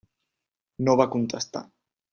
No va contestar.